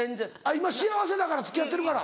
今幸せだから付き合ってるから。